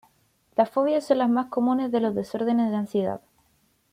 Las fobias son las más comunes de los desórdenes de ansiedad.